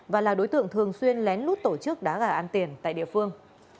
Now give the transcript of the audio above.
và là đối tượng thường xuyên lén lút tổ chức đá gà ăn tiền tại địa phương